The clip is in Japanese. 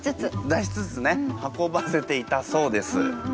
出しつつね運ばせていたそうです。